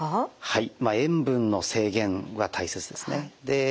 はい。